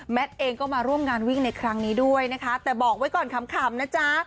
เองก็มาร่วมงานวิ่งในครั้งนี้ด้วยนะคะแต่บอกไว้ก่อนขำนะจ๊ะ